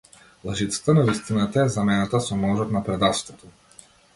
Лажицата на вистината е заменета со ножот на предавството!